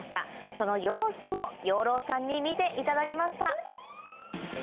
その様子も養老さんに見ていただきました。